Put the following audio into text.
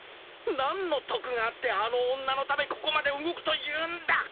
何の得があってあの女のためここまで動くというんだ！